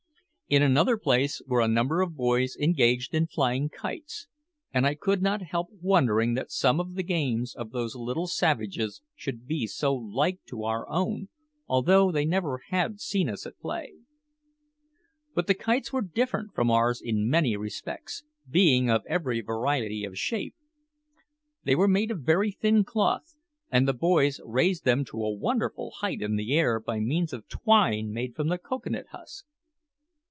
In another place were a number of boys engaged in flying kites; and I could not help wondering that some of the games of those little savages should be so like to our own, although they had never seen us at play. But the kites were different from ours in many respects, being of every variety of shape. They were made of very thin cloth, and the boys raised them to a wonderful height in the air by means of twine made from the cocoa nut husk.